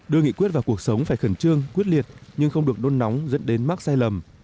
đưa nghị quyết vào cuộc sống phải khẩn trương quyết liệt nhưng không được đôn nóng dẫn đến mắc sai lầm